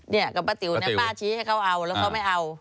เนี่ยกับป้าติ๋วนะป้าชี้ให้เขาเอาแล้วเขาไม่เอา